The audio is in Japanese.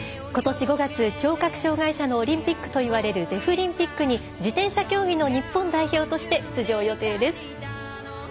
ことし５月聴覚障がい者のオリンピックといわれるデフリンピックに自転車競技の日本代表として出場予定です。